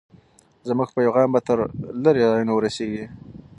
زموږ پیغام به تر لرې ځایونو ورسېږي.